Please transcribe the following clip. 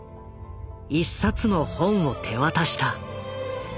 一冊の本を手渡した。